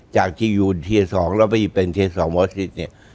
จากทียูที๒แล้วไปเป็นที๒วอสติธรรมเนี่ย